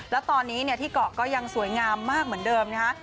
แล้วตอนนี้ที่เกาะก็ยังสวยงามมากเหมือนเดิมนะคะ